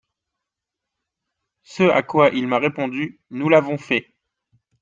Ce à quoi il m’a répondu, nous l’avons fait.